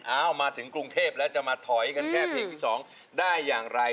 มาถึงกรุงเทพแล้วจะมาถอยกันแค่เพลงที่๒ได้อย่างไร